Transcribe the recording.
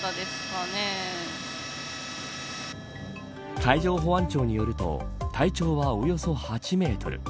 海上保安庁によると体長は、およそ８メートル。